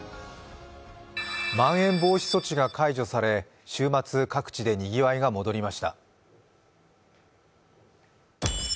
まん延防止措置が解除され、週末各地でにぎわいが戻りました。